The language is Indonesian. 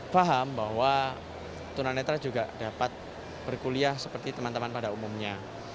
paham bahwa tunanetra juga dapat berkuliah seperti teman teman pada umumnya